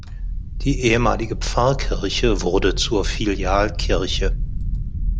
Die ehemalige Pfarrkirche wurde zur Filialkirche.